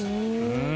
うん。